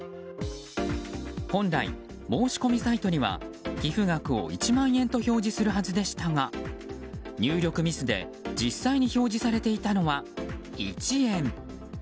本来、申し込みサイトには寄付額を１万円と表示するはずでしたが入力ミスで実際に表示されていたのは１円。